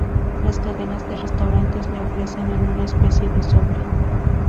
Las cadenas de restaurantes las ofrecen en una especie de sobre.